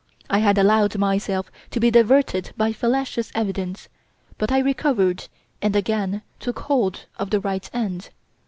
I had allowed myself to be diverted by fallacious evidence; but I recovered and again took hold of the right end.